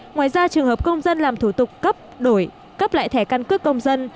ngoài ra trường hợp công dân làm thủ tục cấp đổi cấp lại thẻ căn cước công dân